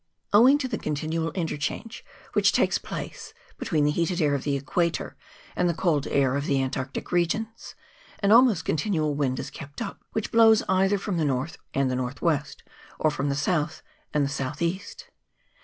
Owing to the continual interchange which takes place between the heated air of the equator and the cold air of the antarctic regions, an almost continual wind is kept up, which blows either from the north and the north west, or from the south and the south east.